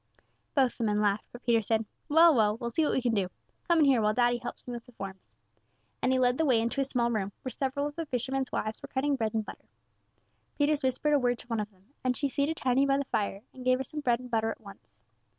Both the men laughed, but Peters said, "Well, well, we'll see what we can do; come in here while daddy helps me with the forms;" and he led the way into a small room, where several of the fishermen's wives were cutting bread and butter. Peters whispered a word to one of them, and she seated Tiny by the fire, and gave her some bread and butter at once.